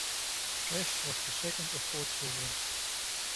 Cash was the second of four children.